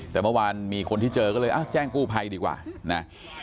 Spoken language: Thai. แต่เมื่อวานมีคนที่เจอก็เลยแจ้งกู้ภัยดีกว่านะ